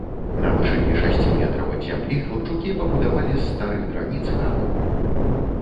На вышыні шасці метраў ад зямлі хлапчукі пабудавалі з старых драніц хатку.